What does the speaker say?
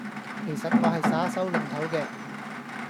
其實我係耍手擰頭嘅